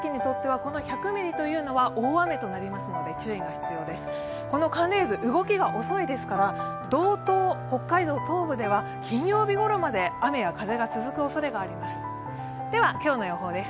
この寒冷渦、動きが遅いですから、道東、北海道東部では金曜日ごろまで雨や風が続くおそれがあります。